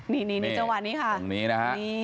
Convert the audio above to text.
นี่จังหวะนี้ค่ะ